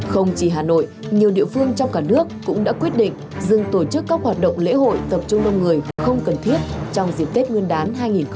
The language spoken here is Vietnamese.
không chỉ hà nội nhiều địa phương trong cả nước cũng đã quyết định dừng tổ chức các hoạt động lễ hội tập trung đông người không cần thiết trong dịp tết nguyên đán hai nghìn hai mươi